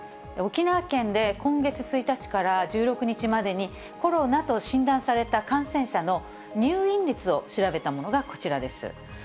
沖縄県で今月１日から１６日までに、コロナと診断された感染者の入院率を調べたものがこちらです。